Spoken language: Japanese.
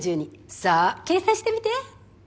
さあ計算してみて。